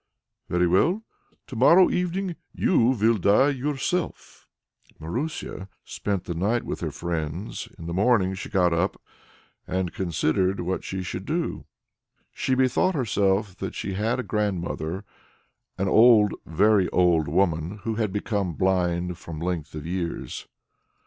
"Very well! To morrow evening you will die yourself!" Marusia spent the night with her friends; in the morning she got up and considered what she should do. She bethought herself that she had a grandmother an old, very old woman, who had become blind from length of years.